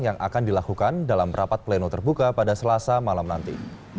yang akan dilakukan dalam rapat pleno terbuka pada selasa malam nanti